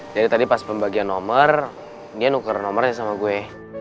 jadi tadi pas pembagian nomor dia nuker nomornya sama gue